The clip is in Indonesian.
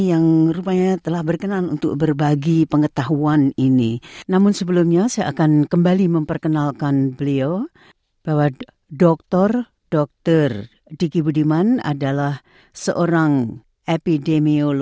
anda bersama sbs bahasa indonesia